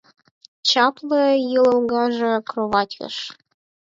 Чапле йылгыжше кроватьыш